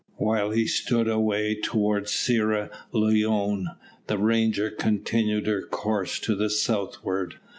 While he stood away towards Sierra Leone, the Ranger continued her course to the southward.